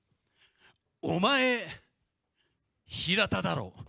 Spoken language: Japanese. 「お前平田だろ！」。